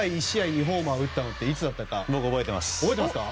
２ホーマー打ったのっていつだったか覚えてますか？